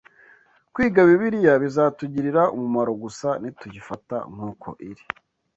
Kwiga Bibiliya bizatugirira umumaro gusa nituyifata nk’uko iri.